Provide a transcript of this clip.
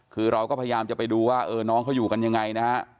คือเราก็พยายามจะไปดูว่าเออน้องเขาอยู่กันยังไงนะฮะ